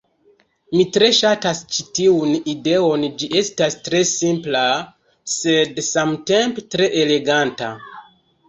Mi tre ŝatas ĉi tiun ideon ĝi estas tre simpla... sed samtempe tre eleganta.